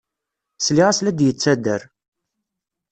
Sliɣ-as la d-yettader.